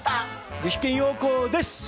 具志堅用高です！